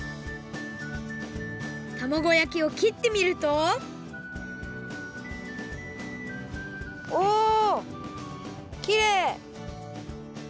たまご焼きをきってみるとおきれい！